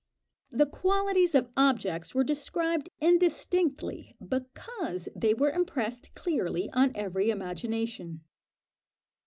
The qualities of objects were described indistinctly, because they were impressed clearly on every imagination.